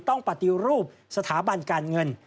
ปฏิรูปสถาบันการเงิน